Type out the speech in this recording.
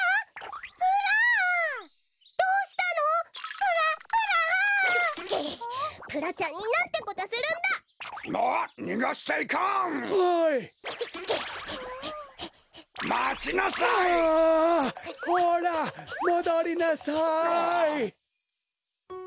ほらもどりなさい！